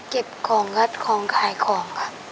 เก็บของงัดของขายของครับ